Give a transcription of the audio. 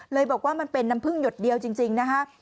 บอกว่ามันเป็นน้ำพึ่งหยดเดียวจริงนะคะ